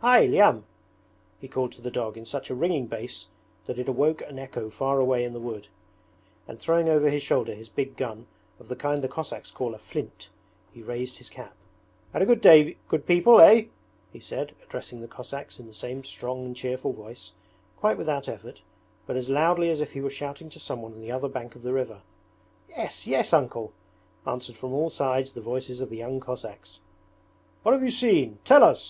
'Hy, Lyam!' he called to the dog in such a ringing bass that it awoke an echo far away in the wood; and throwing over his shoulder his big gun, of the kind the Cossacks call a 'flint', he raised his cap. 'Had a good day, good people, eh?' he said, addressing the Cossacks in the same strong and cheerful voice, quite without effort, but as loudly as if he were shouting to someone on the other bank of the river. 'Yes, yes. Uncle!' answered from all sides the voices of the young Cossacks. 'What have you seen? Tell us!'